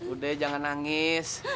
udah jangan nangis